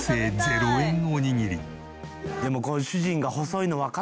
でも。